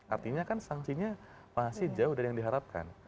artinya kan sanksinya masih jauh dari yang diharapkan